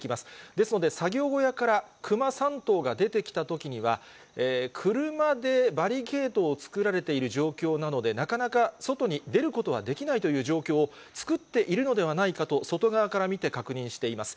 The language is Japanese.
ですので、作業小屋からクマ３頭が出てきたときには、車でバリケードを作られている状況なので、なかなか外に出ることができないという状況を作っているのではないかと、外側から見て確認しています。